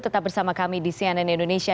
tetap bersama kami di cnn indonesia